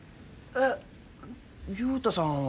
えっ雄太さんは。